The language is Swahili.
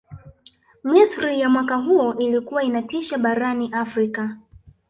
misri ya mwaka huo ilikuwa inatisha barani afrika